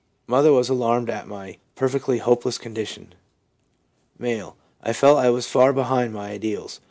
Mother was alarmed at my perfectly hopeless condition/ M. ' I felt I was far behind my ideals.